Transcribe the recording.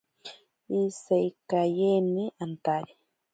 Iseikaeyeni antari.